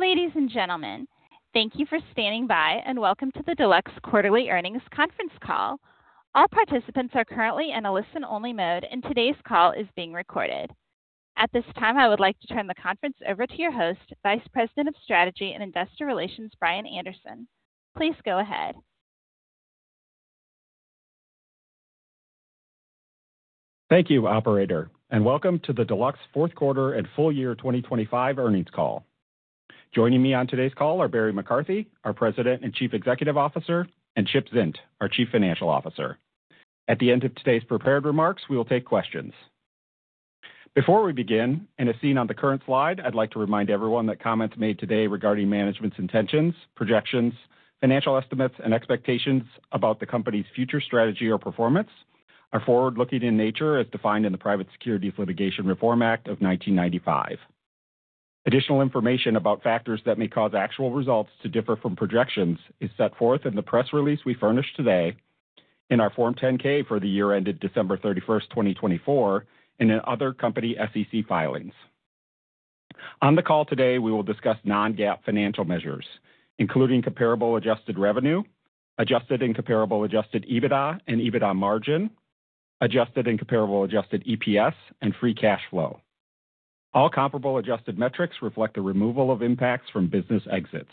Ladies and gentlemen, thank you for standing by, and welcome to the Deluxe quarterly earnings conference call. All participants are currently in a listen-only mode, and today's call is being recorded. At this time, I would like to turn the conference over to your host, Vice President of Strategy and Investor Relations, Brian Anderson. Please go ahead. Thank you, operator, and welcome to the Deluxe fourth quarter and full year 2025 earnings call. Joining me on today's call are Barry McCarthy, our President and Chief Executive Officer, and Chip Zint, our Chief Financial Officer. At the end of today's prepared remarks, we will take questions. Before we begin, and as seen on the current slide, I'd like to remind everyone that comments made today regarding management's intentions, projections, financial estimates, and expectations about the company's future strategy or performance are forward-looking in nature, as defined in the Private Securities Litigation Reform Act of 1995. Additional information about factors that may cause actual results to differ from projections is set forth in the press release we furnished today, in our Form 10-K for the year ended December 31st, 2024, and in other company SEC filings. On the call today, we will discuss non-GAAP financial measures, including comparable adjusted revenue, adjusted and comparable adjusted EBITDA and EBITDA margin, adjusted and comparable adjusted EPS, and free cash flow. All comparable adjusted metrics reflect the removal of impacts from business exits.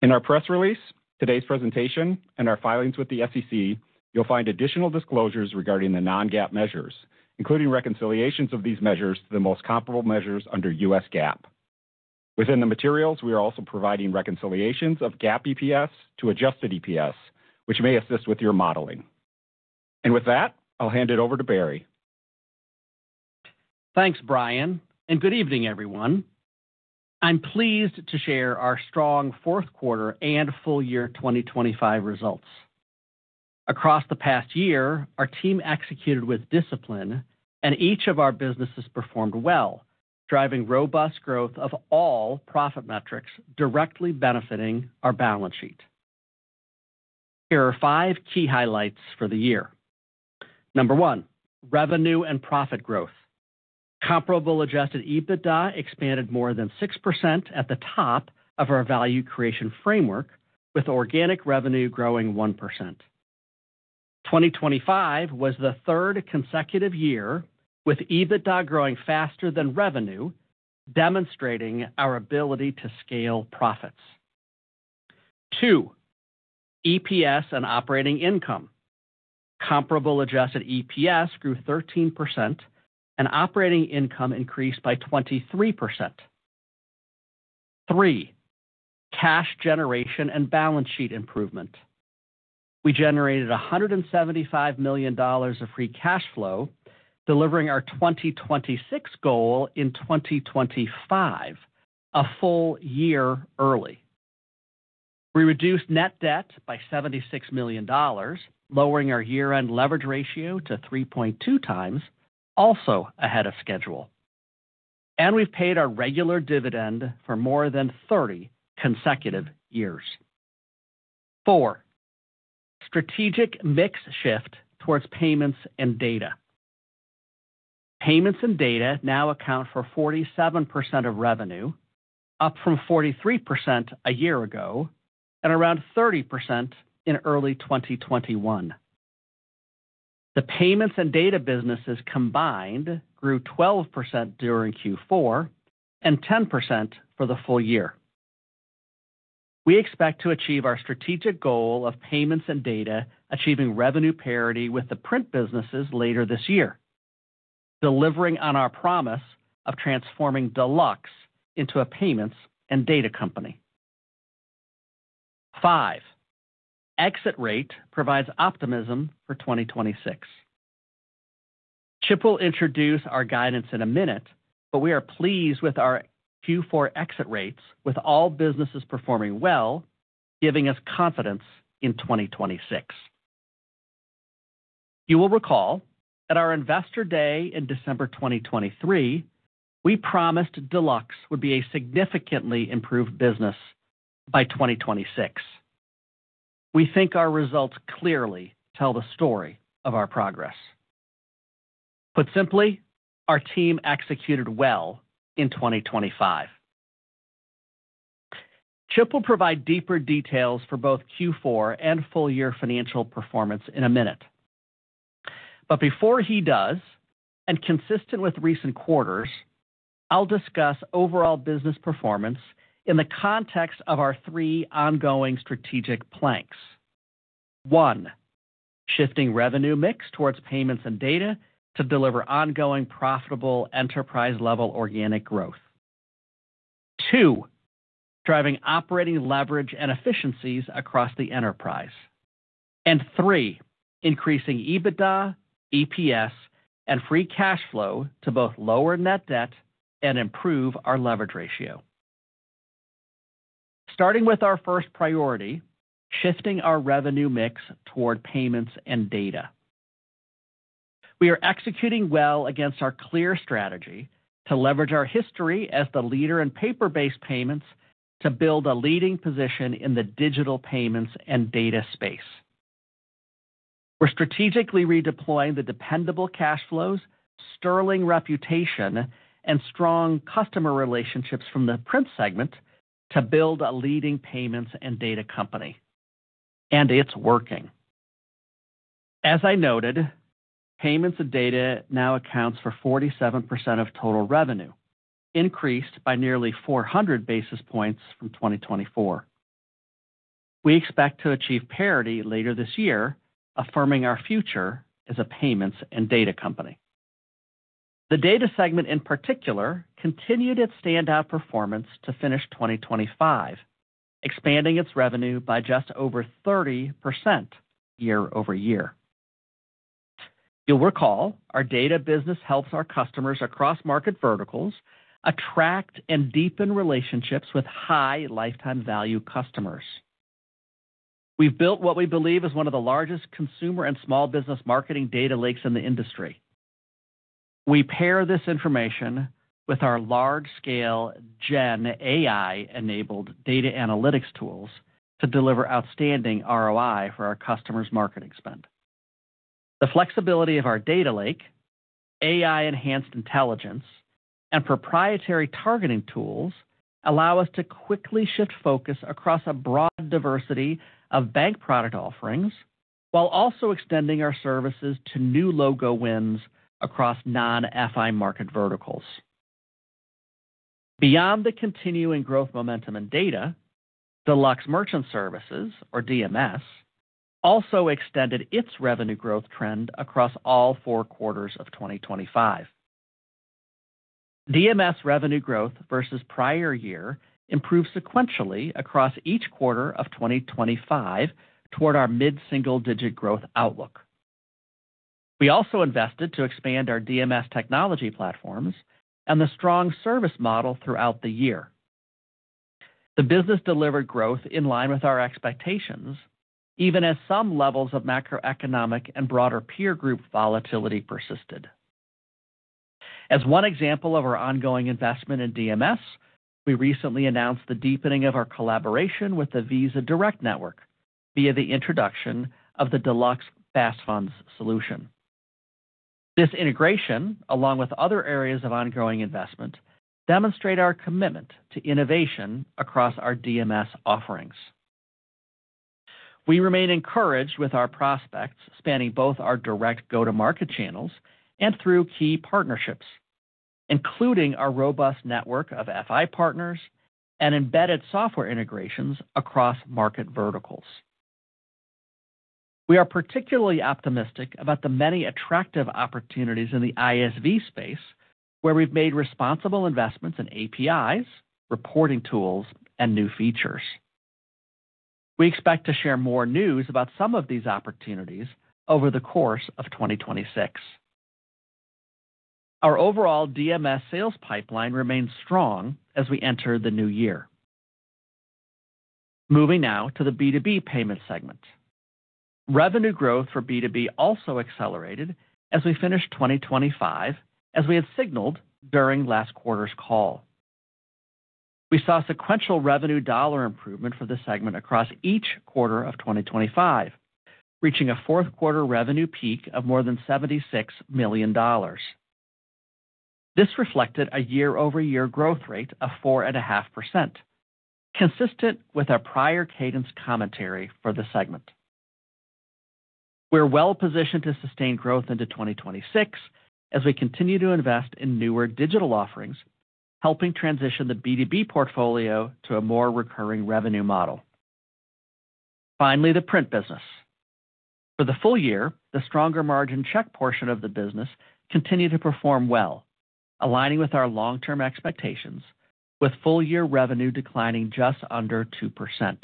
In our press release, today's presentation, and our filings with the SEC, you'll find additional disclosures regarding the non-GAAP measures, including reconciliations of these measures to the most comparable measures under U.S. GAAP. Within the materials, we are also providing reconciliations of GAAP EPS to adjusted EPS, which may assist with your modeling. With that, I'll hand it over to Barry. Thanks, Brian, and good evening, everyone. I'm pleased to share our strong fourth quarter and full year 2025 results. Across the past year, our team executed with discipline, and each of our businesses performed well, driving robust growth of all profit metrics, directly benefiting our balance sheet. Here are five key highlights for the year. Number one, revenue and profit growth. Comparable adjusted EBITDA expanded more than 6% at the top of our value creation framework, with organic revenue growing 1%. 2025 was the third consecutive year, with EBITDA growing faster than revenue, demonstrating our ability to scale profits. Two, EPS and operating income. Comparable adjusted EPS grew 13%, and operating income increased by 23%. Three, cash generation and balance sheet improvement. We generated $175 million of free cash flow, delivering our 2026 goal in 2025, a full year early. We reduced net debt by $76 million, lowering our year-end leverage ratio to 3.2x, also ahead of schedule, and we've paid our regular dividend for more than 30 consecutive years. Four, strategic mix shift towards Payments and Data. Payments and Data now account for 47% of revenue, up from 43% a year ago, and around 30% in early 2021. The Payments and Data businesses combined grew 12% during Q4, and 10% for the full year. We expect to achieve our strategic goal of Payments and Data, achieving revenue parity with the Print businesses later this year, delivering on our promise of transforming Deluxe into a payments and data company. Five, exit rate provides optimism for 2026. Chip will introduce our guidance in a minute, but we are pleased with our Q4 exit rates, with all businesses performing well, giving us confidence in 2026. You will recall that our Investor Day in December 2023, we promised Deluxe would be a significantly improved business by 2026. We think our results clearly tell the story of our progress. Put simply, our team executed well in 2025. Chip will provide deeper details for both Q4 and full-year financial performance in a minute. But before he does, and consistent with recent quarters, I'll discuss overall business performance in the context of our three ongoing strategic planks. One, shifting revenue mix towards Payments and Data to deliver ongoing, profitable, enterprise-level organic growth. Two, driving operating leverage and efficiencies across the enterprise. Three, increasing EBITDA, EPS, and free cash flow to both lower net debt and improve our leverage ratio. Starting with our first priority, shifting our revenue mix toward Payments and Data. We are executing well against our clear strategy to leverage our history as the leader in paper-based payments to build a leading position in the digital payments and data space. We're strategically redeploying the dependable cash flows, sterling reputation, and strong customer relationships from the Print segment to build a leading payments and data company, and it's working. As I noted, Payments and Data now accounts for 47% of total revenue, increased by nearly 400 basis points from 2024. We expect to achieve parity later this year, affirming our future as a payments and data company. The Data segment, in particular, continued its standout performance to finish 2025, expanding its revenue by just over 30% year-over-year. You'll recall, our Data business helps our customers across market verticals attract and deepen relationships with high lifetime value customers. We've built what we believe is one of the largest consumer and small business marketing data lakes in the industry. We pair this information with our large-scale GenAI-enabled data analytics tools to deliver outstanding ROI for our customers' marketing spend. The flexibility of our data lake, AI-enhanced intelligence, and proprietary targeting tools allow us to quickly shift focus across a broad diversity of bank product offerings, while also extending our services to new logo wins across non-FI market verticals. Beyond the continuing growth momentum and data, Deluxe Merchant Services, or DMS, also extended its revenue growth trend across all four quarters of 2025. DMS revenue growth versus prior year improved sequentially across each quarter of 2025 toward our mid-single-digit growth outlook. We also invested to expand our DMS technology platforms and the strong service model throughout the year. The business delivered growth in line with our expectations, even as some levels of macroeconomic and broader peer group volatility persisted. As one example of our ongoing investment in DMS, we recently announced the deepening of our collaboration with the Visa Direct network via the introduction of the Deluxe FastFunds solution. This integration, along with other areas of ongoing investment, demonstrate our commitment to innovation across our DMS offerings. We remain encouraged with our prospects, spanning both our direct go-to-market channels and through key partnerships, including our robust network of FI partners and embedded software integrations across market verticals. We are particularly optimistic about the many attractive opportunities in the ISV space, where we've made responsible investments in APIs, reporting tools, and new features. We expect to share more news about some of these opportunities over the course of 2026. Our overall DMS sales pipeline remains strong as we enter the new year. Moving now to the B2B Payment segment. Revenue growth for B2B also accelerated as we finished 2025, as we had signaled during last quarter's call. We saw sequential revenue dollar improvement for the segment across each quarter of 2025, reaching a fourth quarter revenue peak of more than $76 million. This reflected a year-over-year growth rate of 4.5%, consistent with our prior cadence commentary for the segment. We're well-positioned to sustain growth into 2026 as we continue to invest in newer digital offerings, helping transition the B2B portfolio to a more recurring revenue model. Finally, the Print business. For the full year, the stronger margin check portion of the business continued to perform well, aligning with our long-term expectations, with full-year revenue declining just under 2%.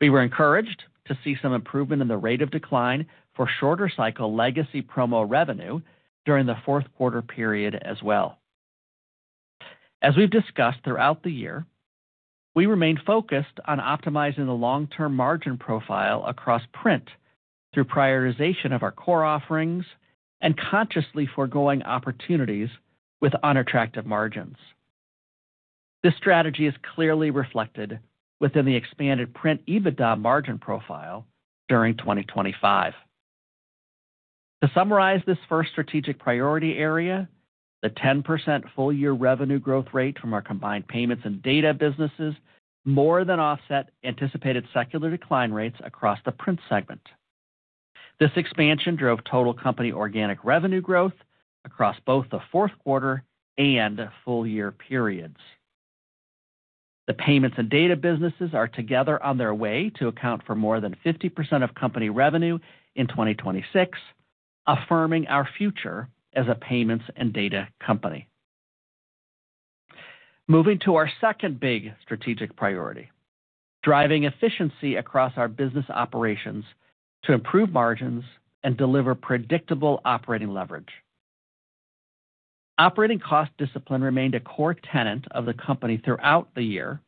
We were encouraged to see some improvement in the rate of decline for shorter cycle legacy promo revenue during the fourth quarter period as well. As we've discussed throughout the year, we remain focused on optimizing the long-term margin profile across Print through prioritization of our core offerings and consciously foregoing opportunities with unattractive margins. This strategy is clearly reflected within the expanded Print EBITDA margin profile during 2025. To summarize this first strategic priority area, the 10% full-year revenue growth rate from our combined Payments and Data businesses more than offset anticipated secular decline rates across the Print segment. This expansion drove total company organic revenue growth across both the fourth quarter and full year periods. The Payments and Data businesses are together on their way to account for more than 50% of company revenue in 2026, affirming our future as a payments and data company. Moving to our second big strategic priority, driving efficiency across our business operations to improve margins and deliver predictable operating leverage. Operating cost discipline remained a core tenet of the company throughout the year,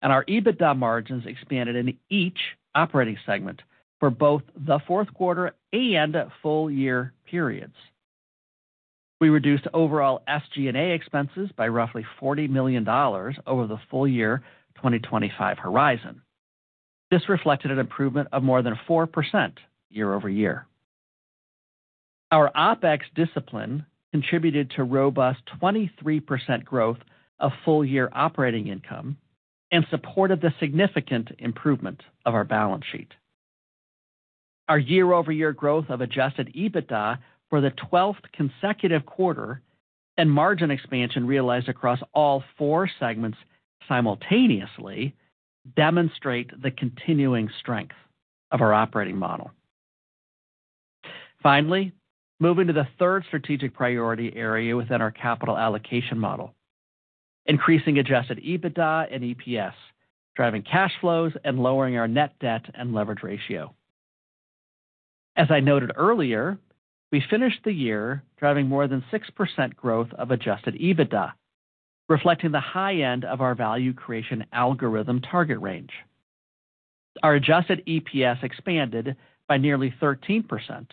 and our EBITDA margins expanded in each operating segment for both the fourth quarter and full year periods. We reduced overall SG&A expenses by roughly $40 million over the full year 2025 horizon. This reflected an improvement of more than 4% year-over-year. Our OpEx discipline contributed to robust 23% growth of full-year operating income and supported the significant improvement of our balance sheet. Our year-over-year growth of adjusted EBITDA for the 12th consecutive quarter and margin expansion realized across all four segments simultaneously demonstrate the continuing strength of our operating model. Finally, moving to the third strategic priority area within our capital allocation model, increasing adjusted EBITDA and EPS, driving cash flows and lowering our net debt and leverage ratio. As I noted earlier, we finished the year driving more than 6% growth of adjusted EBITDA, reflecting the high end of our value creation algorithm target range. Our adjusted EPS expanded by nearly 13%,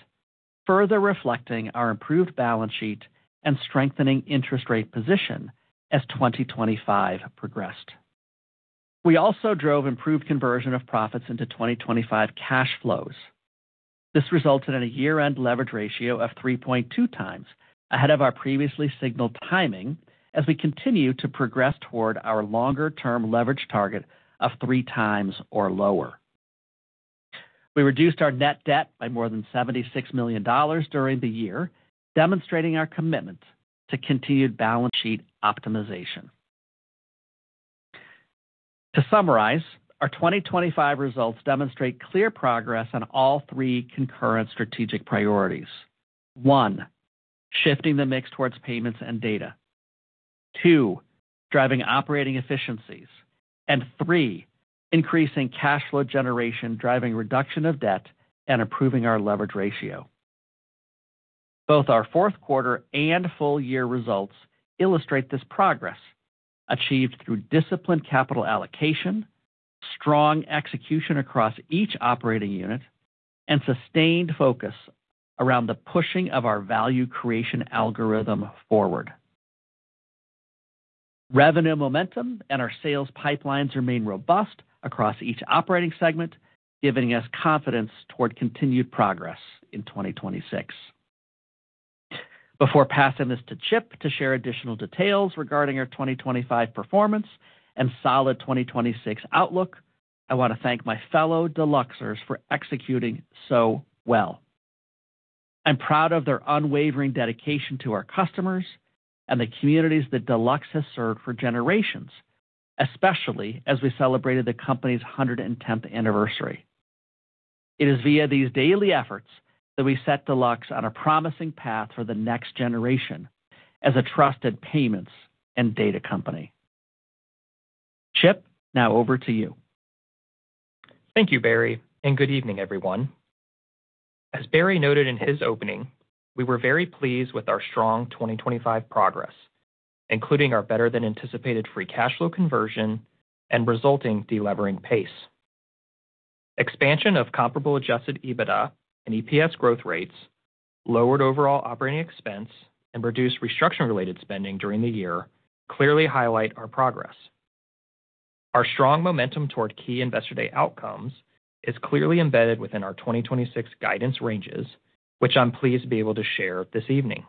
further reflecting our improved balance sheet and strengthening interest rate position as 2025 progressed. We also drove improved conversion of profits into 2025 cash flows. This resulted in a year-end leverage ratio of 3.2x ahead of our previously signaled timing as we continue to progress toward our longer-term leverage target of 3x or lower. We reduced our net debt by more than $76 million during the year, demonstrating our commitment to continued balance sheet optimization. To summarize, our 2025 results demonstrate clear progress on all three concurrent strategic priorities. One, shifting the mix towards Payments and Data. Two, driving operating efficiencies. And three, increasing cash flow generation, driving reduction of debt, and improving our leverage ratio. Both our fourth quarter and full year results illustrate this progress, achieved through disciplined capital allocation, strong execution across each operating unit, and sustained focus around the pushing of our value creation algorithm forward. Revenue momentum and our sales pipelines remain robust across each operating segment, giving us confidence toward continued progress in 2026. Before passing this to Chip to share additional details regarding our 2025 performance and solid 2026 outlook, I want to thank my fellow Deluxers for executing so well. I'm proud of their unwavering dedication to our customers and the communities that Deluxe has served for generations, especially as we celebrated the company's 110th anniversary. It is via these daily efforts that we set Deluxe on a promising path for the next generation as a trusted payments and data company. Chip, now over to you. Thank you, Barry, and good evening, everyone. As Barry noted in his opening, we were very pleased with our strong 2025 progress, including our better-than-anticipated free cash flow conversion and resulting delevering pace. Expansion of comparable adjusted EBITDA and EPS growth rates, lowered overall operating expense, and reduced restructuring-related spending during the year clearly highlight our progress. Our strong momentum toward key Investor Day outcomes is clearly embedded within our 2026 guidance ranges, which I'm pleased to be able to share this evening.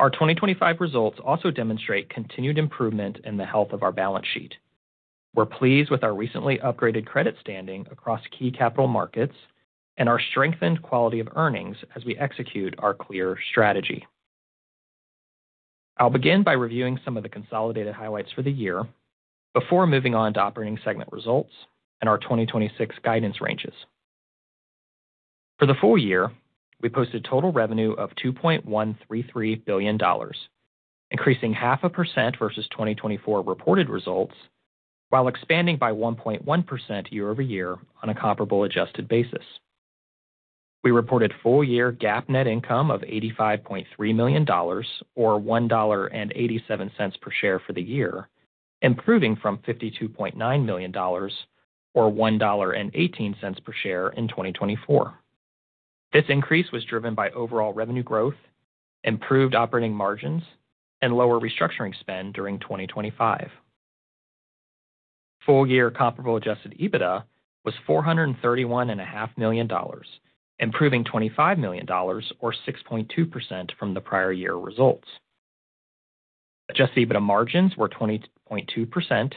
Our 2025 results also demonstrate continued improvement in the health of our balance sheet. We're pleased with our recently upgraded credit standing across key capital markets and our strengthened quality of earnings as we execute our clear strategy. I'll begin by reviewing some of the consolidated highlights for the year before moving on to operating segment results and our 2026 guidance ranges. For the full year, we posted total revenue of $2.133 billion, increasing 0.5% versus 2024 reported results, while expanding by 1.1% year-over-year on a comparable adjusted basis. We reported full-year GAAP net income of $85.3 million, or $1.87 per share for the year, improving from $52.9 million, or $1.18 per share in 2024. This increase was driven by overall revenue growth, improved operating margins, and lower restructuring spend during 2025. Full-year comparable adjusted EBITDA was $431.5 million, improving $25 million or 6.2% from the prior year results. Adjusted EBITDA margins were 20.2%,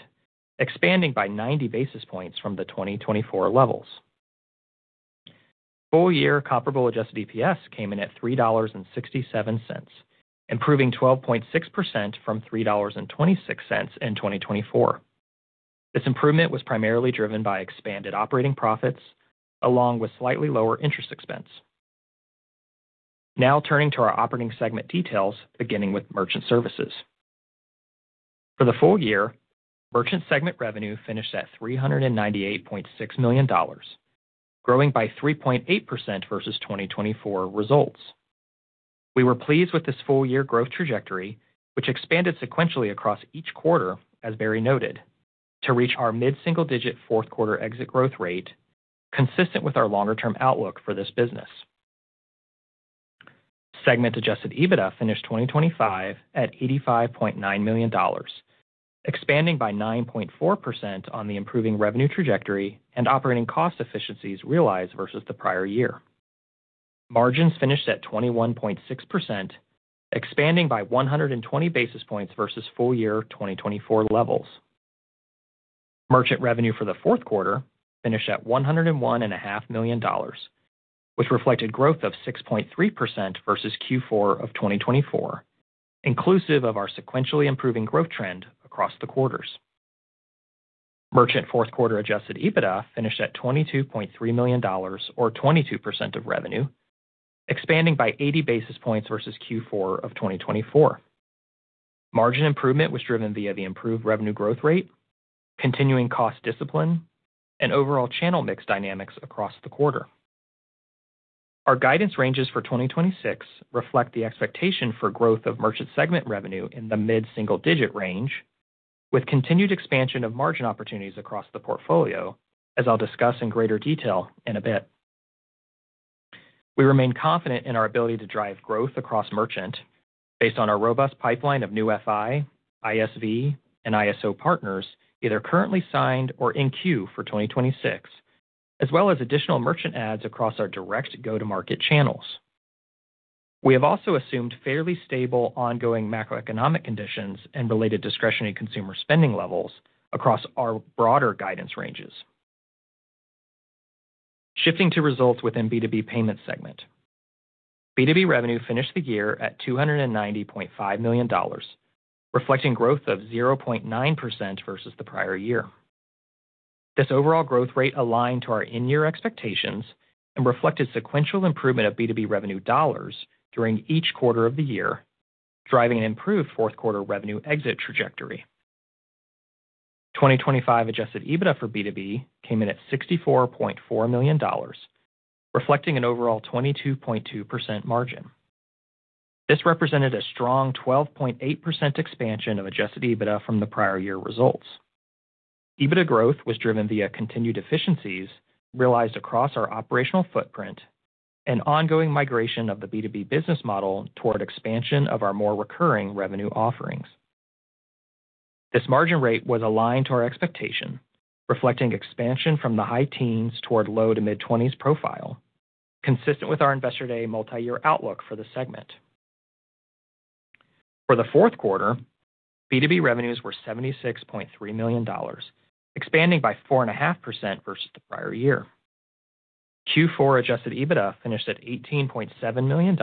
expanding by 90 basis points from the 2024 levels. Full-year comparable adjusted EPS came in at $3.67, improving 12.6% from $3.26 in 2024. This improvement was primarily driven by expanded operating profits, along with slightly lower interest expense. Now turning to our operating segment details, beginning with Merchant Services. For the full year, Merchant segment revenue finished at $398.6 million, growing by 3.8% versus 2024 results. We were pleased with this full year growth trajectory, which expanded sequentially across each quarter, as Barry noted, to reach our mid-single-digit fourth quarter exit growth rate, consistent with our longer-term outlook for this business. Segment adjusted EBITDA finished 2025 at $85.9 million, expanding by 9.4% on the improving revenue trajectory and operating cost efficiencies realized versus the prior year. Margins finished at 21.6%, expanding by 120 basis points versus full year 2024 levels. Merchant revenue for the fourth quarter finished at $101.5 million, which reflected growth of 6.3% versus Q4 of 2024, inclusive of our sequentially improving growth trend across the quarters. Merchant fourth quarter adjusted EBITDA finished at $22.3 million or 22% of revenue, expanding by 80 basis points versus Q4 of 2024. Margin improvement was driven via the improved revenue growth rate, continuing cost discipline, and overall channel mix dynamics across the quarter. Our guidance ranges for 2026 reflect the expectation for growth of Merchant segment revenue in the mid-single-digit range, with continued expansion of margin opportunities across the portfolio, as I'll discuss in greater detail in a bit. We remain confident in our ability to drive growth across Merchant based on our robust pipeline of new FI, ISV, and ISO partners, either currently signed or in queue for 2026, as well as additional Merchant ads across our direct go-to-market channels. We have also assumed fairly stable, ongoing macroeconomic conditions and related discretionary consumer spending levels across our broader guidance ranges. Shifting to results within B2B Payment segment. B2B revenue finished the year at $290.5 million, reflecting growth of 0.9% versus the prior year. This overall growth rate aligned to our in-year expectations and reflected sequential improvement of B2B revenue dollars during each quarter of the year, driving an improved fourth quarter revenue exit trajectory. 2025 adjusted EBITDA for B2B came in at $64.4 million, reflecting an overall 22.2% margin. This represented a strong 12.8% expansion of adjusted EBITDA from the prior year results. EBITDA growth was driven via continued efficiencies realized across our operational footprint and ongoing migration of the B2B business model toward expansion of our more recurring revenue offerings. This margin rate was aligned to our expectation, reflecting expansion from the high teens toward low to mid-twenties profile, consistent with our Investor Day multi-year outlook for the segment. For the fourth quarter, B2B revenues were $76.3 million, expanding by 4.5% versus the prior year. Q4 adjusted EBITDA finished at $18.7 million,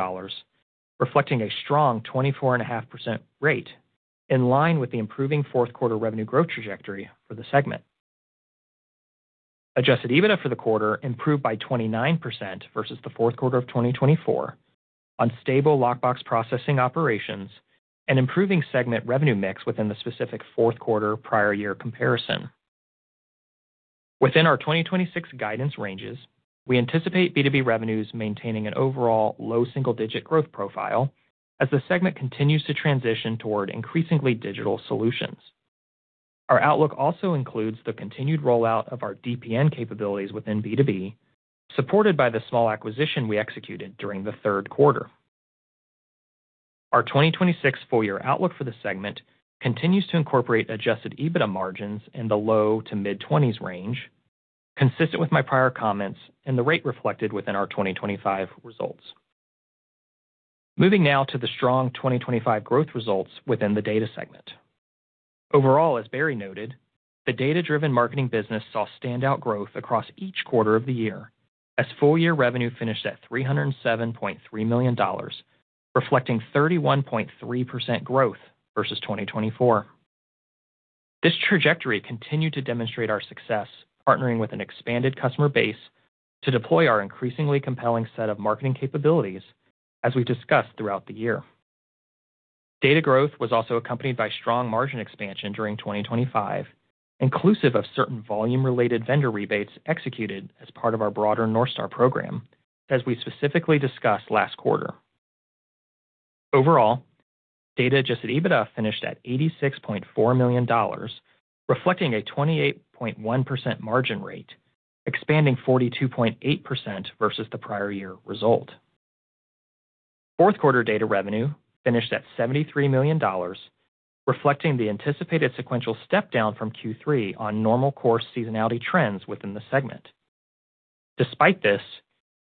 reflecting a strong 24.5% rate, in line with the improving fourth quarter revenue growth trajectory for the segment. Adjusted EBITDA for the quarter improved by 29% versus the fourth quarter of 2024 on stable lockbox processing operations and improving segment revenue mix within the specific fourth quarter prior year comparison. Within our 2026 guidance ranges, we anticipate B2B revenues maintaining an overall low single-digit growth profile as the segment continues to transition toward increasingly digital solutions. Our outlook also includes the continued rollout of our DPN capabilities within B2B, supported by the small acquisition we executed during the third quarter. Our 2026 full year outlook for the segment continues to incorporate adjusted EBITDA margins in the low- to mid-20s range, consistent with my prior comments and the rate reflected within our 2025 results. Moving now to the strong 2025 growth results within the Data segment. Overall, as Barry noted, the data-driven marketing business saw standout growth across each quarter of the year, as full-year revenue finished at $307.3 million, reflecting 31.3% growth versus 2024. This trajectory continued to demonstrate our success, partnering with an expanded customer base to deploy our increasingly compelling set of marketing capabilities, as we've discussed throughout the year. Data growth was also accompanied by strong margin expansion during 2025, inclusive of certain volume-related vendor rebates executed as part of our broader North Star program, as we specifically discussed last quarter. Overall, Data adjusted EBITDA finished at $86.4 million, reflecting a 28.1% margin rate, expanding 42.8% versus the prior year result. Fourth quarter Data revenue finished at $73 million, reflecting the anticipated sequential step down from Q3 on normal course seasonality trends within the segment. Despite this,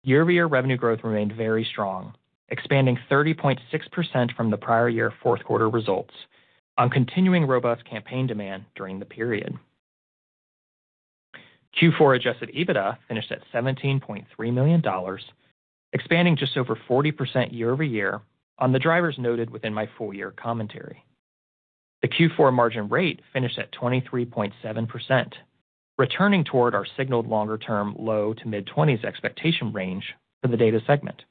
year-over-year revenue growth remained very strong, expanding 30.6% from the prior year fourth quarter results on continuing robust campaign demand during the period. Q4 adjusted EBITDA finished at $17.3 million, expanding just over 40% year-over-year on the drivers noted within my full-year commentary. The Q4 margin rate finished at 23.7%, returning toward our signaled longer term low to mid-twenties expectation range for the Data segment.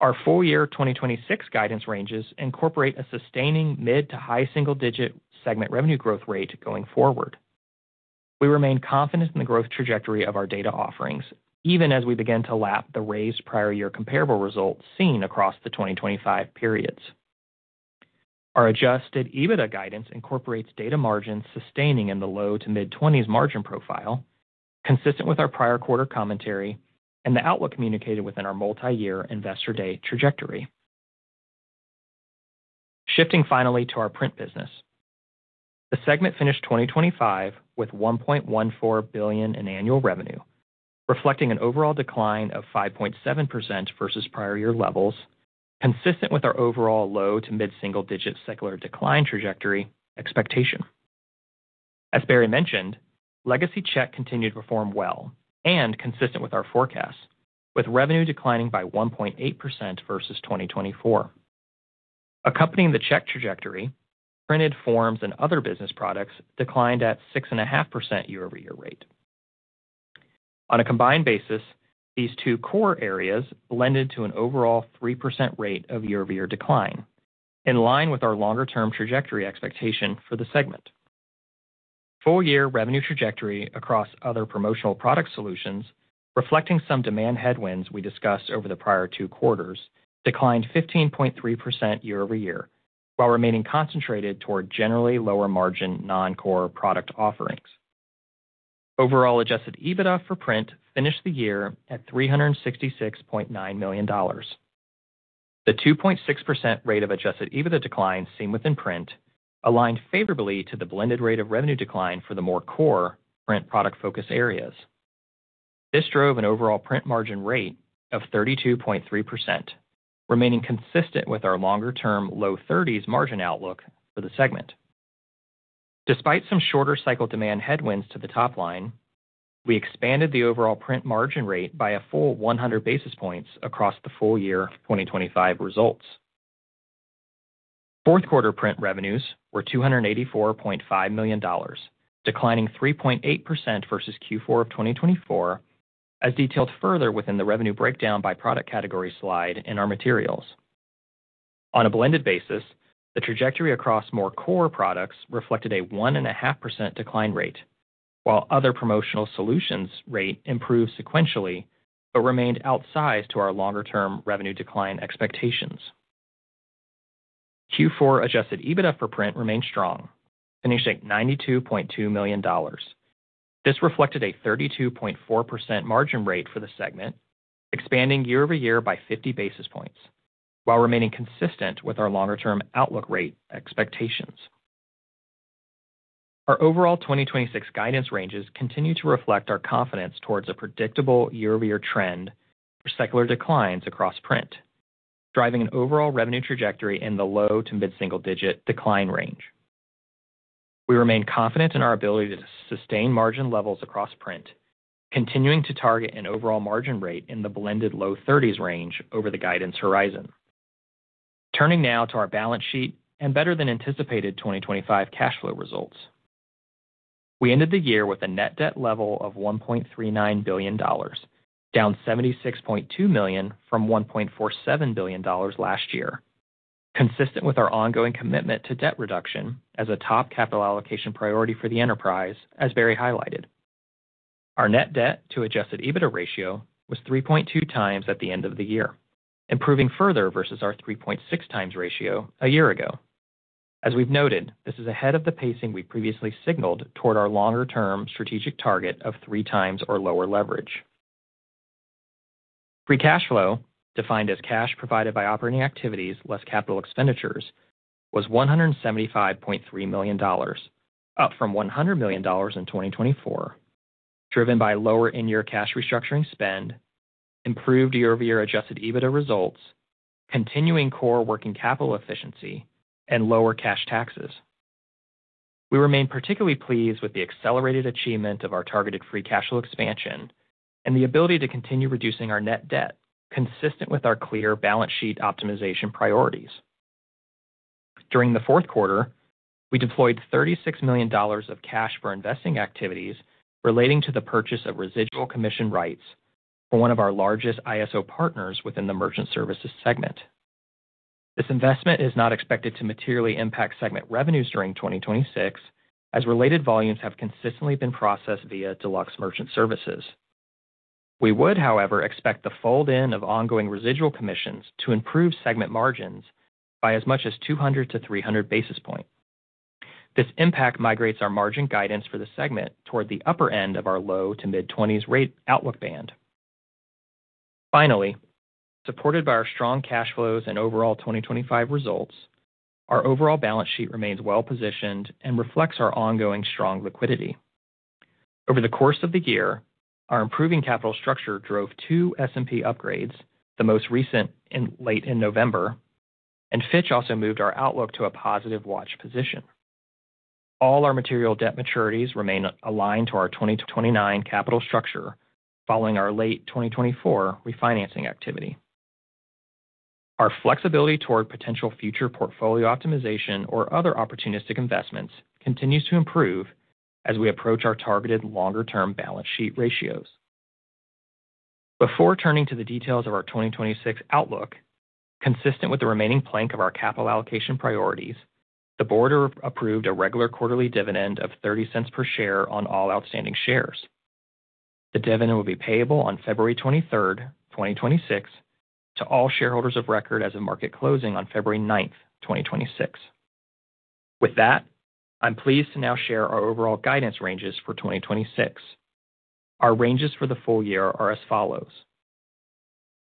Our full-year 2026 guidance ranges incorporate a sustaining mid to high single digit segment revenue growth rate going forward. We remain confident in the growth trajectory of our Data offerings, even as we begin to lap the raised prior year comparable results seen across the 2025 periods. Our adjusted EBITDA guidance incorporates Data margins sustaining in the low-to-mid-20s margin profile, consistent with our prior quarter commentary and the outlook communicated within our multi-year Investor Day trajectory. Shifting finally to our Print business. The segment finished 2025 with $1.14 billion in annual revenue, reflecting an overall decline of 5.7% versus prior year levels, consistent with our overall low-to-mid-single-digit secular decline trajectory expectation. As Barry mentioned, legacy check continued to perform well and consistent with our forecast, with revenue declining by 1.8% versus 2024. Accompanying the check trajectory, printed forms and other business products declined at 6.5% year-over-year rate. On a combined basis, these two core areas blended to an overall 3% rate of year-over-year decline, in line with our longer-term trajectory expectation for the segment. Full-year revenue trajectory across other promotional product solutions, reflecting some demand headwinds we discussed over the prior two quarters, declined 15.3% year-over-year, while remaining concentrated toward generally lower margin, non-core product offerings. Overall, adjusted EBITDA for Print finished the year at $366.9 million. The 2.6% rate of adjusted EBITDA decline seen within Print aligned favorably to the blended rate of revenue decline for the more core Print product focus areas. This drove an overall Print margin rate of 32.3%, remaining consistent with our longer-term low thirties margin outlook for the segment. Despite some shorter cycle demand headwinds to the top line, we expanded the overall Print margin rate by a full 100 basis points across the full year of 2025 results. Fourth quarter Print revenues were $284.5 million, declining 3.8% versus Q4 of 2024, as detailed further within the revenue breakdown by product category slide in our materials. On a blended basis, the trajectory across more core products reflected a 1.5% decline rate, while other promotional solutions rate improved sequentially, but remained outsized to our longer-term revenue decline expectations. Q4 adjusted EBITDA for Print remained strong, finishing at $92.2 million. This reflected a 32.4% margin rate for the segment, expanding year-over-year by 50 basis points, while remaining consistent with our longer-term outlook rate expectations. Our overall 2026 guidance ranges continue to reflect our confidence towards a predictable year-over-year trend for secular declines across Print, driving an overall revenue trajectory in the low- to mid-single-digit decline range. We remain confident in our ability to sustain margin levels across Print, continuing to target an overall margin rate in the blended low thirties range over the guidance horizon. Turning now to our balance sheet and better than anticipated 2025 cash flow results. We ended the year with a net debt level of $1.39 billion, down $76.2 million from $1.47 billion last year, consistent with our ongoing commitment to debt reduction as a top capital allocation priority for the enterprise, as Barry highlighted. Our net debt to adjusted EBITDA ratio was 3.2x at the end of the year, improving further versus our 3.6x ratio a year ago. As we've noted, this is ahead of the pacing we previously signaled toward our longer-term strategic target of 3x or lower leverage. Free cash flow, defined as cash provided by operating activities less capital expenditures, was $175.3 million, up from $100 million in 2024, driven by lower in-year cash restructuring spend, improved year-over-year adjusted EBITDA results, continuing core working capital efficiency, and lower cash taxes. We remain particularly pleased with the accelerated achievement of our targeted free cash flow expansion and the ability to continue reducing our net debt, consistent with our clear balance sheet optimization priorities. During the fourth quarter, we deployed $36 million of cash for investing activities relating to the purchase of residual commission rights for one of our largest ISO partners within the Merchant Services segment. This investment is not expected to materially impact segment revenues during 2026, as related volumes have consistently been processed via Deluxe Merchant Services. We would, however, expect the fold in of ongoing residual commissions to improve segment margins by as much as 200-300 basis points. This impact migrates our margin guidance for the segment toward the upper end of our low- to mid-20s rate outlook band. Finally, supported by our strong cash flows and overall 2025 results, our overall balance sheet remains well-positioned and reflects our ongoing strong liquidity. Over the course of the year, our improving capital structure drove two S&P upgrades, the most recent in late November, and Fitch also moved our outlook to a positive watch position. All our material debt maturities remain aligned to our 2029 capital structure following our late 2024 refinancing activity. Our flexibility toward potential future portfolio optimization or other opportunistic investments continues to improve as we approach our targeted longer-term balance sheet ratios. Before turning to the details of our 2026 outlook, consistent with the remaining plank of our capital allocation priorities, the board approved a regular quarterly dividend of $0.30 per share on all outstanding shares. The dividend will be payable on February 23rd, 2026, to all shareholders of record as of market closing on February 9th, 2026. With that, I'm pleased to now share our overall guidance ranges for 2026. Our ranges for the full year are as follows: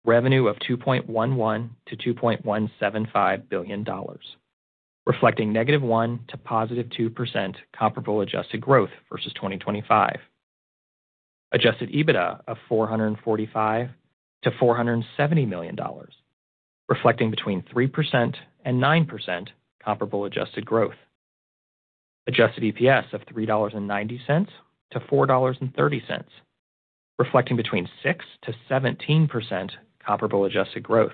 Revenue of $2.11 billion-$2.175 billion, reflecting -1% to +2% comparable adjusted growth versus 2025. Adjusted EBITDA of $445 million-$470 million, reflecting between 3% and 9% comparable adjusted growth. Adjusted EPS of $3.90-$4.30, reflecting between 6%-17% comparable adjusted growth,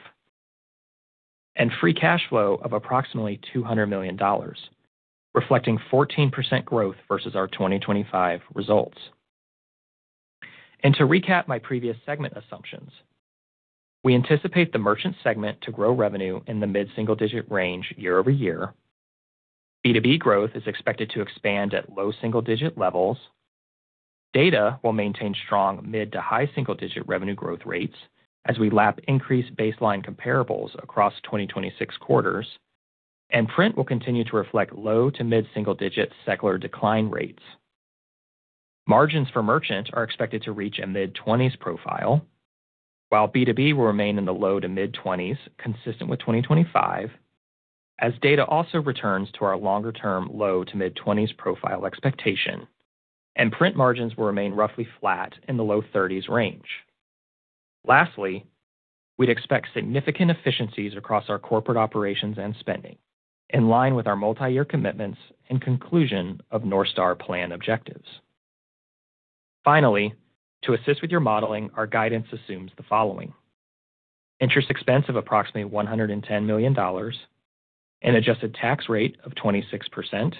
and free cash flow of approximately $200 million, reflecting 14% growth versus our 2025 results. And to recap my previous segment assumptions, we anticipate the Merchant segment to grow revenue in the mid-single-digit range year-over-year. B2B growth is expected to expand at low single-digit levels. Data will maintain strong mid- to high single-digit revenue growth rates as we lap increased baseline comparables across 2026 quarters, and Print will continue to reflect low- to mid-single-digit secular decline rates. Margins for Merchant are expected to reach a mid-20s profile, while B2B will remain in the low- to mid-20s, consistent with 2025, as Data also returns to our longer term low- to mid-20s profile expectation. And Print margins will remain roughly flat in the low 30s range. Lastly, we'd expect significant efficiencies across our corporate operations and spending, in line with our multi-year commitments and conclusion of North Star plan objectives. Finally, to assist with your modeling, our guidance assumes the following: interest expense of approximately $110 million, an adjusted tax rate of 26%,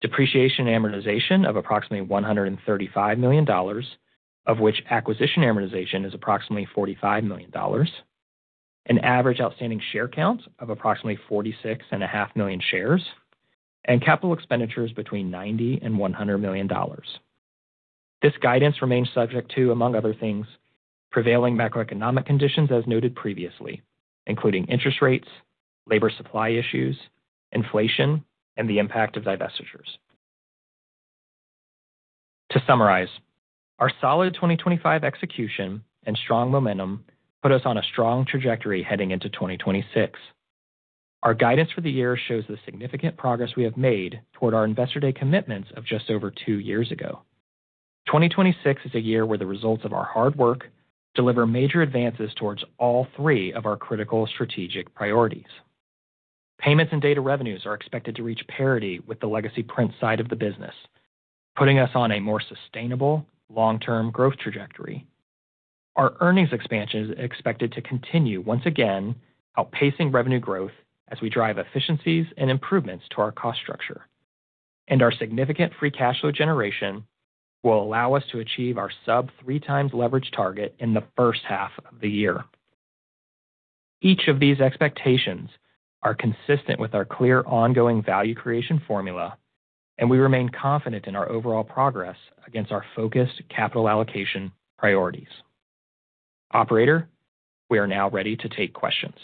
depreciation amortization of approximately $135 million, of which acquisition amortization is approximately $45 million, an average outstanding share count of approximately 46.5 million shares, and capital expenditures between $90 million and $100 million. This guidance remains subject to, among other things, prevailing macroeconomic conditions as noted previously, including interest rates, labor supply issues, inflation, and the impact of divestitures. To summarize, our solid 2025 execution and strong momentum put us on a strong trajectory heading into 2026. Our guidance for the year shows the significant progress we have made toward our Investor Day commitments of just over two years ago. 2026 is a year where the results of our hard work deliver major advances towards all three of our critical strategic priorities. Payments and Data revenues are expected to reach parity with the legacy Print side of the business, putting us on a more sustainable long-term growth trajectory. Our earnings expansion is expected to continue, once again, outpacing revenue growth as we drive efficiencies and improvements to our cost structure. Our significant free cash flow generation will allow us to achieve our sub-3x leverage target in the first half of the year. Each of these expectations are consistent with our clear, ongoing value creation formula, and we remain confident in our overall progress against our focused capital allocation priorities. Operator, we are now ready to take questions.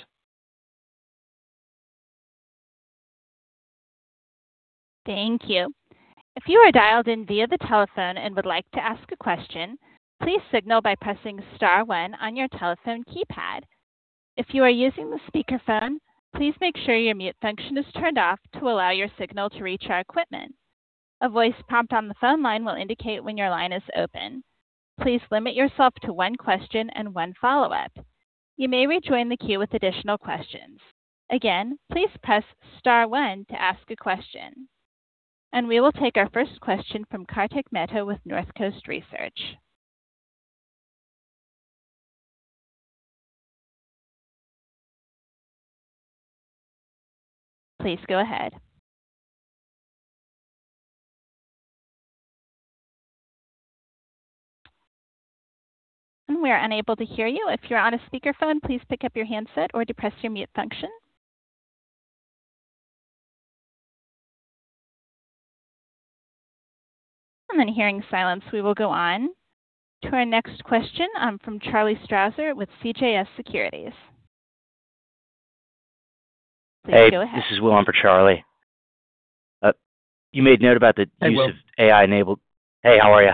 Thank you. If you are dialed in via the telephone and would like to ask a question, please signal by pressing star one on your telephone keypad. If you are using the speakerphone, please make sure your mute function is turned off to allow your signal to reach our equipment. A voice prompt on the phone line will indicate when your line is open. Please limit yourself to one question and one follow-up. You may rejoin the queue with additional questions. Again, please press star one to ask a question. We will take our first question from Kartik Mehta with Northcoast Research. Please go ahead. We are unable to hear you. If you're on a speakerphone, please pick up your handset or depress your mute function. And then hearing silence, we will go on to our next question from Charles Strauzer with CJS Securities. Please go ahead. Hey, this is Will on for Charlie. You made note about the use of AI-enabled. Hey, Will. Hey, how are you?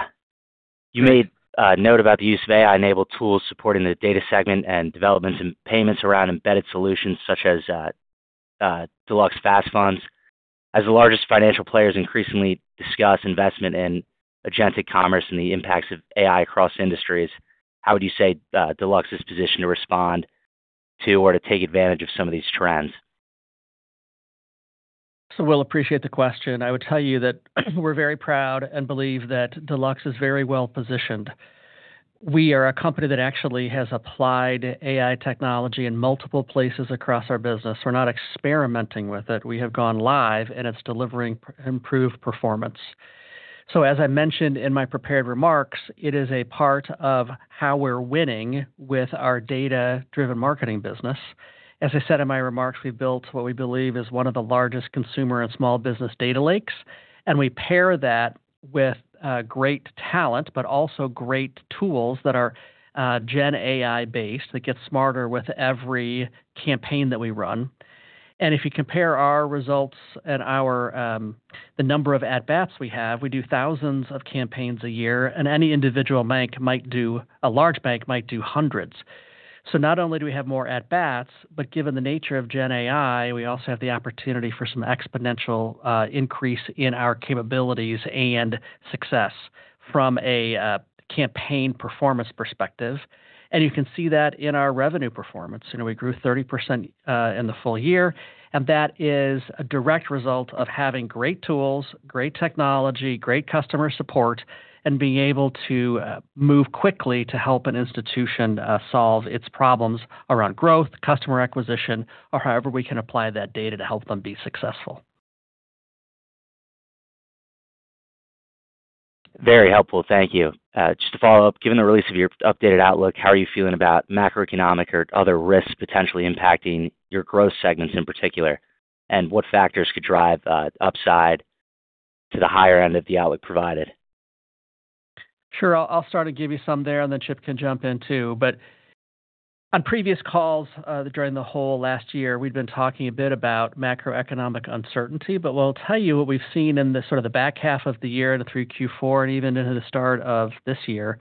You made note about the use of AI-enabled tools supporting the Data segment and developments in Payments around embedded solutions such as Deluxe FastFunds. As the largest financial players increasingly discuss investment in agentic commerce and the impacts of AI across industries, how would you say Deluxe is positioned to respond to or to take advantage of some of these trends? So Will, appreciate the question. I would tell you that we're very proud and believe that Deluxe is very well positioned. We are a company that actually has applied AI technology in multiple places across our business. We're not experimenting with it. We have gone live, and it's delivering improved performance. So as I mentioned in my prepared remarks, it is a part of how we're winning with our data-driven marketing business. As I said in my remarks, we've built what we believe is one of the largest consumer and small business data lakes, and we pair that with great talent, but also great tools that are GenAI-based, that get smarter with every campaign that we run. And if you compare our results and our the number of at-bats we have, we do thousands of campaigns a year, and any individual bank might do a large bank might do hundreds. So not only do we have more at-bats, but given the nature of GenAI, we also have the opportunity for some exponential increase in our capabilities and success from a campaign performance perspective. And you can see that in our revenue performance. You know, we grew 30%, in the full year, and that is a direct result of having great tools, great technology, great customer support, and being able to move quickly to help an institution solve its problems around growth, customer acquisition, or however we can apply that data to help them be successful. Very helpful. Thank you. Just to follow up, given the release of your updated outlook, how are you feeling about macroeconomic or other risks potentially impacting your growth segments in particular? And what factors could drive upside to the higher end of the outlook provided? Sure. I'll start to give you some there, and then Chip can jump in, too. But on previous calls, during the whole last year, we've been talking a bit about macroeconomic uncertainty, but well, I'll tell you what we've seen in the sort of the back half of the year and through Q4 and even into the start of this year,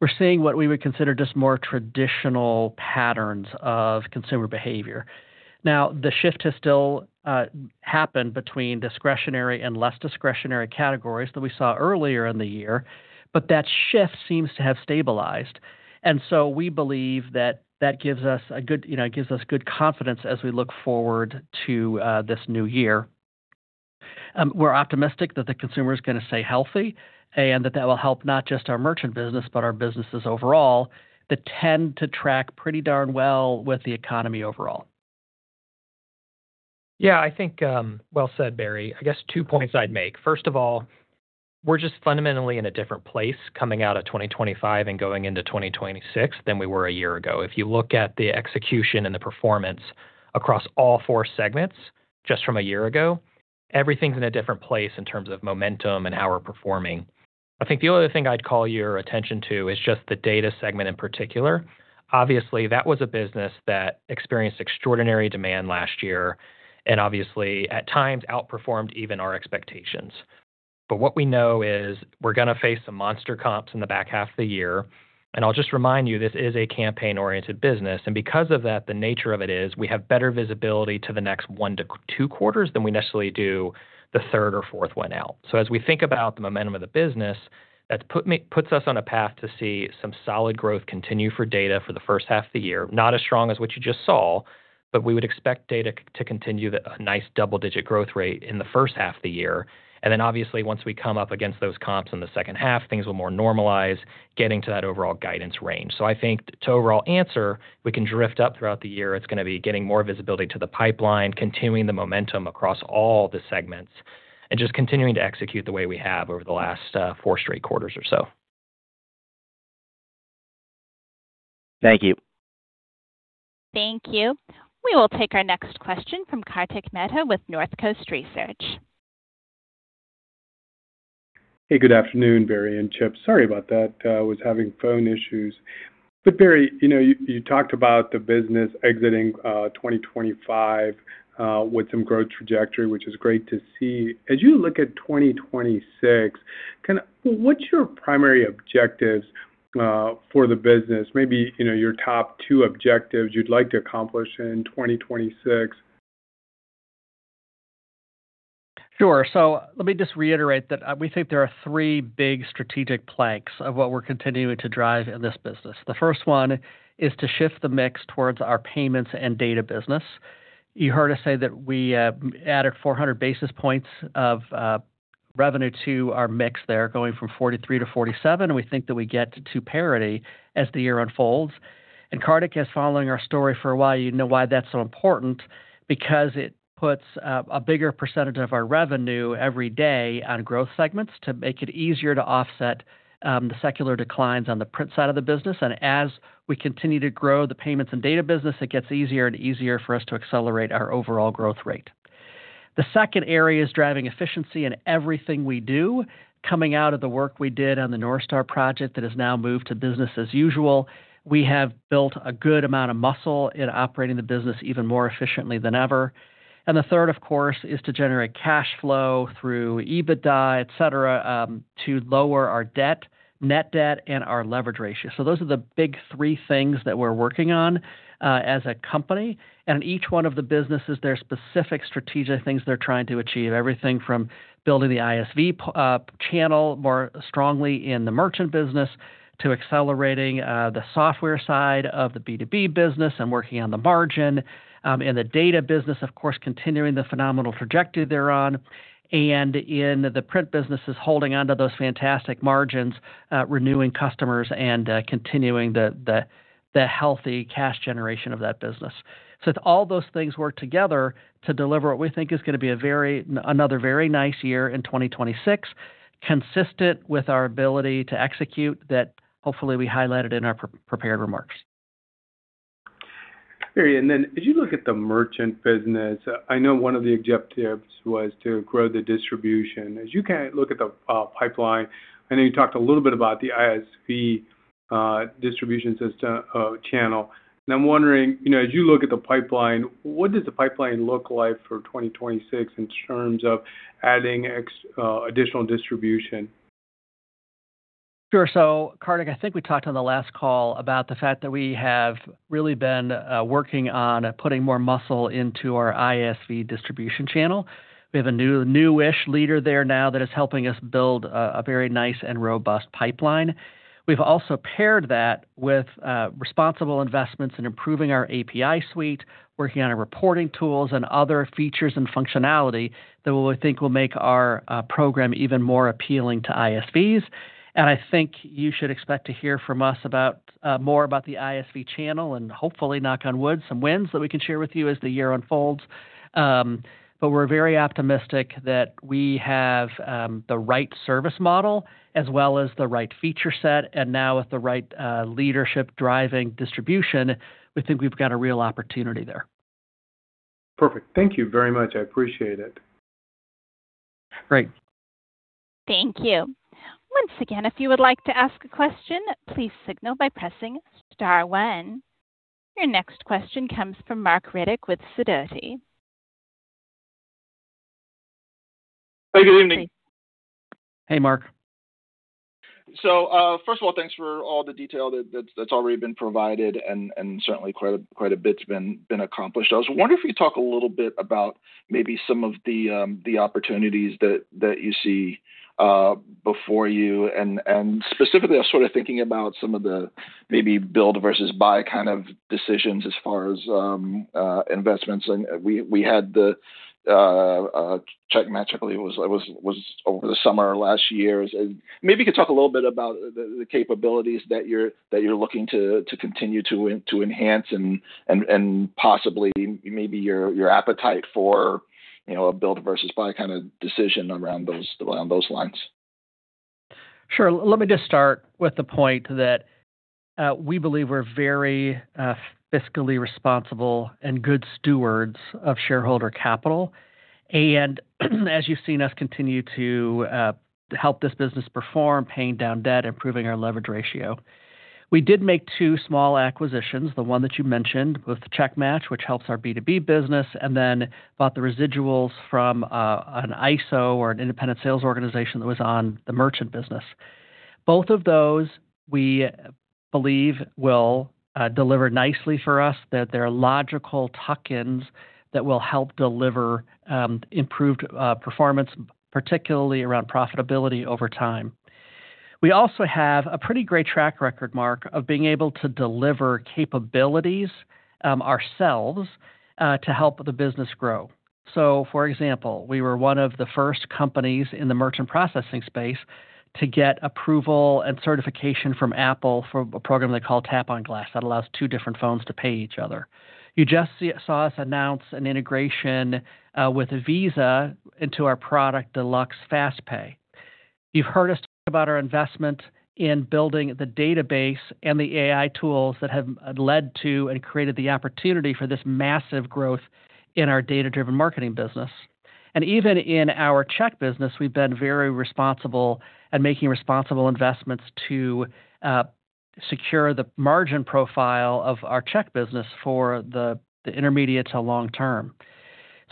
we're seeing what we would consider just more traditional patterns of consumer behavior. Now, the shift has still happened between discretionary and less discretionary categories than we saw earlier in the year, but that shift seems to have stabilized. And so we believe that that gives us a good, you know, gives us good confidence as we look forward to this new year. We're optimistic that the consumer is gonna stay healthy, and that that will help not just our Merchant business, but our businesses overall, that tend to track pretty darn well with the economy overall. Yeah, I think, well said, Barry. I guess two points I'd make. First of all, we're just fundamentally in a different place coming out of 2025 and going into 2026 than we were a year ago. If you look at the execution and the performance across all four segments, just from a year ago, everything's in a different place in terms of momentum and how we're performing. I think the other thing I'd call your attention to is just the Data segment in particular. Obviously, that was a business that experienced extraordinary demand last year and obviously, at times, outperformed even our expectations. But what we know is we're gonna face some monster comps in the back half of the year. And I'll just remind you, this is a campaign-oriented business, and because of that, the nature of it is we have better visibility to the next one to two quarters than we necessarily do the third or fourth one out. So as we think about the momentum of the business, that puts us on a path to see some solid growth continue for Data for the first half of the year. Not as strong as what you just saw, but we would expect Data to continue a nice double-digit growth rate in the first half of the year. And then obviously, once we come up against those comps in the second half, things will more normalize, getting to that overall guidance range. So I think to overall answer, we can drift up throughout the year. It's gonna be getting more visibility to the pipeline, continuing the momentum across all the segments, and just continuing to execute the way we have over the last four straight quarters or so. Thank you. Thank you. We will take our next question from Kartik Mehta with Northcoast Research. Hey, good afternoon, Barry and Chip. Sorry about that. I was having phone issues. But Barry, you know, you talked about the business exiting 2025 with some growth trajectory, which is great to see. As you look at 2026, kind of what's your primary objectives for the business? Maybe, you know, your top two objectives you'd like to accomplish in 2026. Sure. So let me just reiterate that we think there are three big strategic planks of what we're continuing to drive in this business. The first one is to shift the mix towards our Payments and Data business. You heard us say that we added 400 basis points of revenue to our mix there, going from 43% to 47%, and we think that we get to parity as the year unfolds. And Kartik, as following our story for a while, you know why that's so important, because it puts a bigger percentage of our revenue every day on growth segments to make it easier to offset the secular declines on the Print side of the business. And as we continue to grow the Payments and Data business, it gets easier and easier for us to accelerate our overall growth rate. The second area is driving efficiency in everything we do. Coming out of the work we did on the North Star project that has now moved to business as usual, we have built a good amount of muscle in operating the business even more efficiently than ever. And the third, of course, is to generate cash flow through EBITDA, etc., to lower our debt, net debt, and our leverage ratio. So those are the big three things that we're working on, as a company, and each one of the businesses, there are specific strategic things they're trying to achieve. Everything from building the ISV channel more strongly in the Merchant business, to accelerating, the software side of the B2B business and working on the margin. In the Data business, of course, continuing the phenomenal trajectory they're on, and in the Print businesses, holding onto those fantastic margins, renewing customers, and continuing the healthy cash generation of that business. So if all those things work together to deliver what we think is gonna be a very- another very nice year in 2026, consistent with our ability to execute that hopefully we highlighted in our pre-prepared remarks. Barry, and then as you look at the Merchant business, I know one of the objectives was to grow the distribution. As you kind of look at the pipeline, I know you talked a little bit about the ISV distribution system channel. And I'm wondering, you know, as you look at the pipeline, what does the pipeline look like for 2026 in terms of adding additional distribution? Sure. So, Kartik, I think we talked on the last call about the fact that we have really been working on putting more muscle into our ISV distribution channel. We have a newish leader there now that is helping us build a very nice and robust pipeline. We've also paired that with responsible investments in improving our API suite, working on our reporting tools and other features and functionality that we think will make our program even more appealing to ISVs. And I think you should expect to hear from us about more about the ISV channel and hopefully, knock on wood, some wins that we can share with you as the year unfolds. But we're very optimistic that we have the right service model as well as the right feature set, and now with the right leadership driving distribution, we think we've got a real opportunity there. Perfect. Thank you very much. I appreciate it. Great. Thank you. Once again, if you would like to ask a question, please signal by pressing star one. Your next question comes from Marc Riddick with Sidoti. Hey, good evening. Hey, Marc. So, first of all, thanks for all the detail that's already been provided, and certainly quite a bit's been accomplished. I was wondering if you could talk a little bit about maybe some of the opportunities that you see before you and specifically, I was sort of thinking about some of the maybe build versus buy kind of decisions as far as investments. And we had the CheckMatch, I believe it was, over the summer of last year. And maybe you could talk a little bit about the capabilities that you're looking to continue to enhance and possibly your appetite for, you know, a build versus buy kind of decision along those lines. Sure. Let me just start with the point that we believe we're very fiscally responsible and good stewards of shareholder capital. As you've seen us continue to help this business perform, paying down debt, improving our leverage ratio. We did make two small acquisitions, the one that you mentioned with CheckMatch, which helps our B2B business, and then bought the residuals from an ISO or an independent sales organization that was on the Merchant business. Both of those, we believe, will deliver nicely for us, that they're logical tuck-ins that will help deliver improved performance, particularly around profitability over time. We also have a pretty great track record, Marc, of being able to deliver capabilities ourselves to help the business grow. So for example, we were one of the first companies in the Merchant processing space to get approval and certification from Apple for a program they call Tap on Glass, that allows two different phones to pay each other. You just saw us announce an integration with Visa into our product, Deluxe FastFunds. You've heard us talk about our investment in building the database and the AI tools that have led to and created the opportunity for this massive growth in our data-driven marketing business. And even in our check business, we've been very responsible at making responsible investments to secure the margin profile of our check business for the intermediate to long term.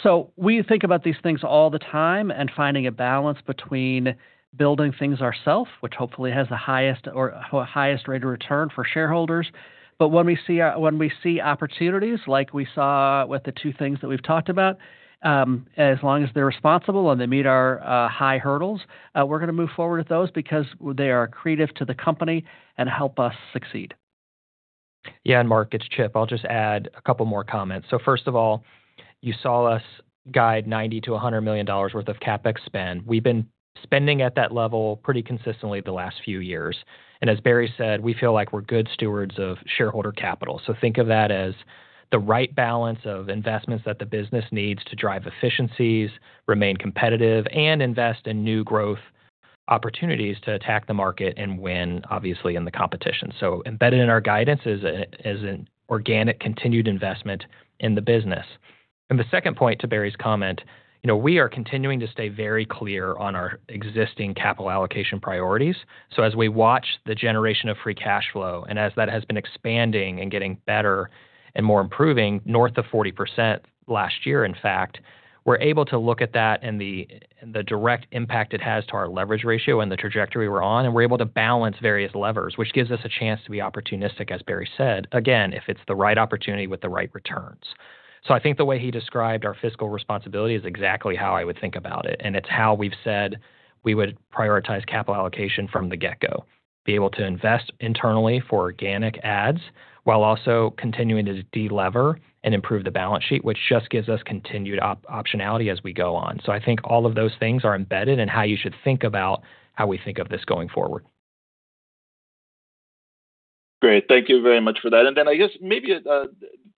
So we think about these things all the time and finding a balance between building things ourselves, which hopefully has the highest rate of return for shareholders. But when we see opportunities like we saw with the two things that we've talked about, as long as they're responsible and they meet our high hurdles, we're gonna move forward with those because they are accretive to the company and help us succeed. Yeah, and Marc, it's Chip. I'll just add a couple more comments. So first of all, you saw us guide $90 million-$100 million worth of CapEx spend. We've been spending at that level pretty consistently the last few years, and as Barry said, we feel like we're good stewards of shareholder capital. So think of that as the right balance of investments that the business needs to drive efficiencies, remain competitive, and invest in new growth opportunities to attack the market and win, obviously, in the competition. So embedded in our guidance is an organic continued investment in the business. And the second point to Barry's comment, you know, we are continuing to stay very clear on our existing capital allocation priorities. So as we watch the generation of free cash flow, and as that has been expanding and getting better and more improving, north of 40% last year, in fact, we're able to look at that and the, and the direct impact it has to our leverage ratio and the trajectory we're on, and we're able to balance various levers, which gives us a chance to be opportunistic, as Barry said, again, if it's the right opportunity with the right returns. So I think the way he described our fiscal responsibility is exactly how I would think about it, and it's how we've said we would prioritize capital allocation from the get-go. Be able to invest internally for organic adds, while also continuing to delever and improve the balance sheet, which just gives us continued optionality as we go on. I think all of those things are embedded in how you should think about how we think of this going forward. Great. Thank you very much for that. And then I guess maybe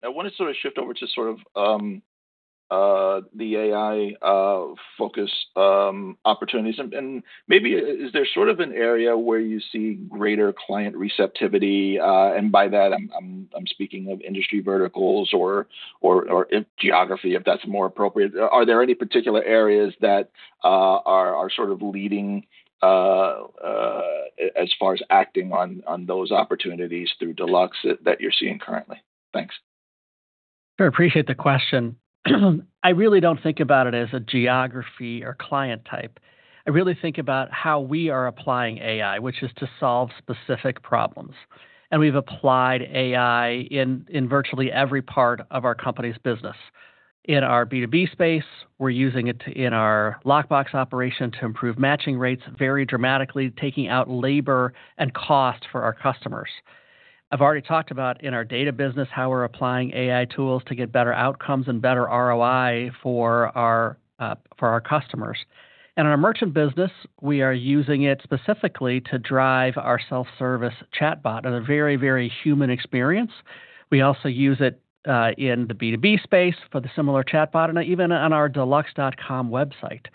I want to sort of shift over to sort of the AI focus opportunities. And maybe is there sort of an area where you see greater client receptivity? And by that, I'm speaking of industry verticals or geography, if that's more appropriate. Are there any particular areas that are sort of leading as far as acting on those opportunities through Deluxe that you're seeing currently? Thanks. I appreciate the question. I really don't think about it as a geography or client type. I really think about how we are applying AI, which is to solve specific problems, and we've applied AI in virtually every part of our company's business. In our B2B space, we're using it in our lockbox operation to improve matching rates, very dramatically, taking out labor and cost for our customers. I've already talked about in our Data business, how we're applying AI tools to get better outcomes and better ROI for our customers. In our Merchant business, we are using it specifically to drive our self-service chatbot at a very, very human experience. We also use it in the B2B space for the similar chatbot, and even on our deluxe.com website.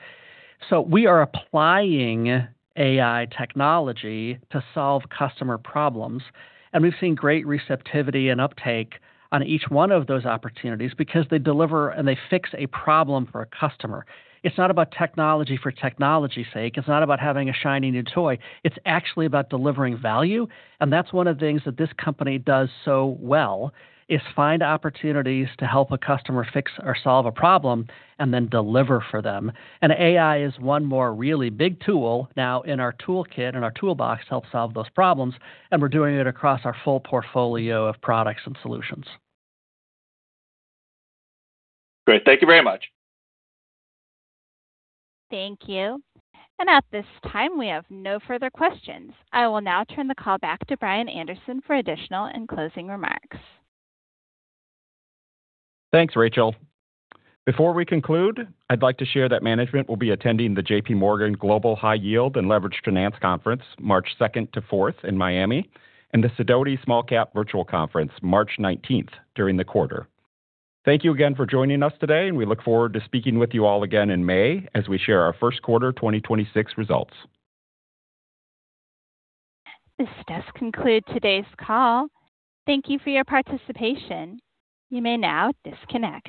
So we are applying AI technology to solve customer problems, and we've seen great receptivity and uptake on each one of those opportunities because they deliver and they fix a problem for a customer. It's not about technology for technology's sake. It's not about having a shiny new toy. It's actually about delivering value, and that's one of the things that this company does so well, is find opportunities to help a customer fix or solve a problem and then deliver for them. And AI is one more really big tool now in our toolkit, in our toolbox, to help solve those problems, and we're doing it across our full portfolio of products and solutions. Great. Thank you very much. Thank you. At this time, we have no further questions. I will now turn the call back to Brian Anderson for additional and closing remarks. Thanks, Rachel. Before we conclude, I'd like to share that management will be attending the JPMorgan Global High Yield and Leveraged Finance Conference, March 2nd to 4th in Miami, and the Sidoti Small Cap Virtual Conference, March 19th, during the quarter. Thank you again for joining us today, and we look forward to speaking with you all again in May as we share our first quarter 2026 results. This does conclude today's call. Thank you for your participation. You may now disconnect.